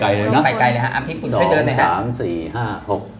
ไปไกลเลยฮะอัมธิปุ่นใช้เตือนเลยฮะ